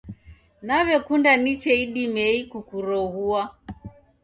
Nawekunda niche idimie kukuroghua.